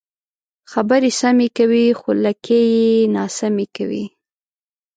خبرې سمې کوې خو لکۍ یې ناسمې وي.